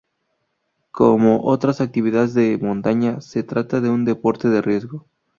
Como otras actividades de montaña, se trata de un deporte de riesgo.